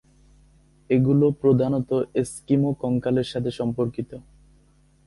এগুলো প্রধানত এস্কিমো কঙ্কালের সাথে সম্পর্কিত।